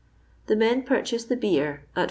The men poichase the beer at 4s.